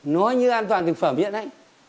nói như an toàn thực phẩm vậy đấy